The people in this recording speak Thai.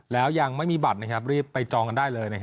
แล้วยังไม่มีบัตรรีบไปจองกันได้เลย